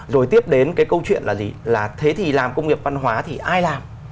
rồi tiếp đến cái câu chuyện là gì là thế thì làm công nghiệp văn hóa thì ai làm